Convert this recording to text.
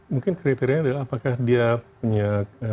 mungkin kriteria adalah apakah dia punya